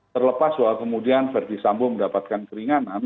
terlepas soal kemudian verdi sambo mendapatkan keringanan